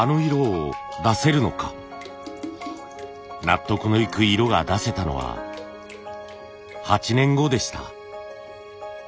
納得のいく色が出せたのは８年後でした。